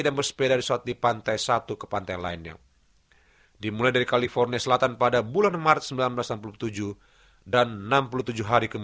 dan sehat secara fisik